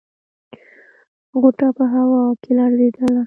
غوټه په هوا کې لړزېدله.